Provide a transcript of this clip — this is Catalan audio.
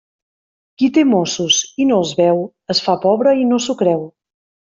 Qui té mossos i no els veu, es fa pobre i no s'ho creu.